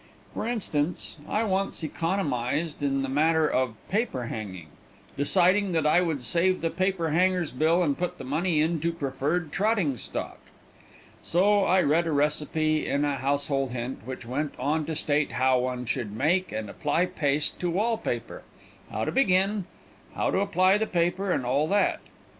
For instance, I once economized in the matter of paper hanging, deciding that I would save the paper hanger's bill and put the money into preferred trotting stock. So I read a recipe in a household hint, which went on to state how one should make and apply paste to wall paper, how to begin, how to apply the paper, and all that.